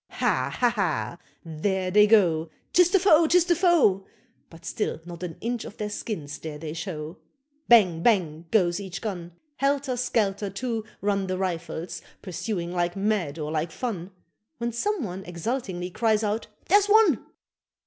Ha, ha, ha! there they go 'Tis the foe; 'tis the foe But still not an inch of their skins dare they show. Bang, bang! goes each gun: Helter skelter, too, run The Rifles, pursuing like mad or like fun When some one exultingly cries out "Here's one!"